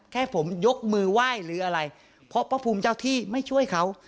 แค่ผมยกมือไหว้หรืออะไรเพราะพระภูมิเจ้าที่ไม่ช่วยเขา